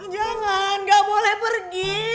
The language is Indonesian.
jangan gak boleh pergi